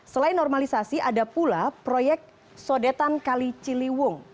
selain normalisasi ada pula proyek sodetan kali ciliwung